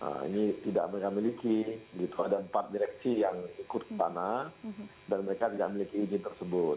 nah ini tidak mereka miliki gitu ada empat direksi yang ikut ke sana dan mereka tidak memiliki izin tersebut